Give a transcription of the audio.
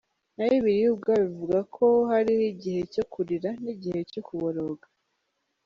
Na Bibiliya ubwayo ivuga ko “hariho igihe cyo kurira” n’“igihe cyo kuboroga” .